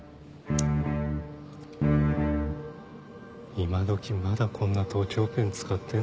今どきまだこんな盗聴ペン使ってんすか？